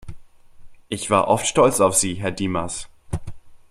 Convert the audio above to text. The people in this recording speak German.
Ich war oft stolz auf Sie, Herr Dimas.